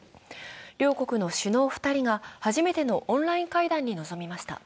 両国の首脳２人が初めてのオンライン会談に臨みました。